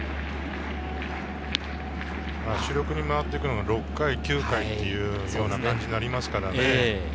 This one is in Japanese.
主力に回っていくのが６回、９回という感じになりますからね。